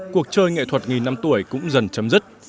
cuộc chơi nghệ thuật nghìn năm tuổi cũng dần chấm dứt